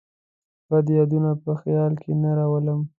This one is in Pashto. بد یادونه په خیال کې نه راولم.